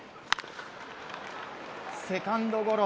セカンドゴロ。